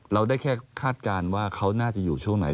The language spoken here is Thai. เราได้แค่คาดการณ์ว่าเขาน่าจะอยู่ช่วงไหน